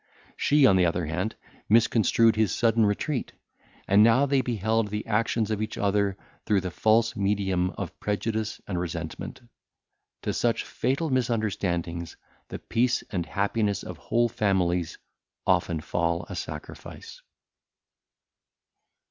She, on the other hand, misconstrued his sudden retreat; and now they beheld the actions of each other through the false medium of prejudice and resentment. To such fatal misunderstandings the peace and happiness of whole families often fall a sacrifice.